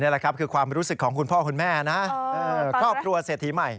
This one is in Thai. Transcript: แหละครับคือความรู้สึกของคุณพ่อคุณแม่นะครอบครัวเศรษฐีใหม่